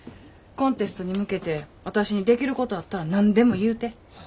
コンテストに向けて私にできることあったら何でも言うて。